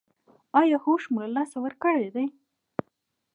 ایا هوښ مو له لاسه ورکړی دی؟